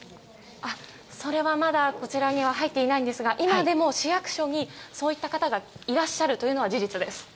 それはまだこちらには入っていないんですが今でも市役所にそういった方がいらっしゃるのは事実です。